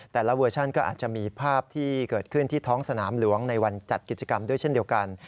เวอร์ชันก็อาจจะมีภาพที่เกิดขึ้นที่ท้องสนามหลวงในวันจัดกิจกรรมด้วยเช่นเดียวกัน